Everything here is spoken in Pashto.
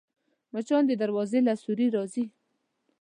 مچان د دروازې له سوري راځي